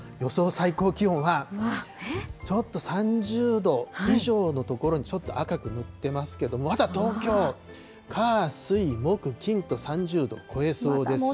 最高気温は、ちょっと３０度以上のところ、ちょっと赤く塗ってますけども、まだ東京、火、水、木、金と３０度超えそうですし。